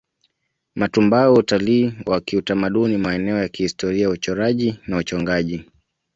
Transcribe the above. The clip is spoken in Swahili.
Matumbawe Utalii wa kiutamaduni maeneo ya kihistoria uchoraji na uchongaji